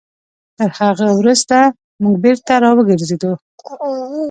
تر هغه وروسته موږ بېرته راوګرځېدلو.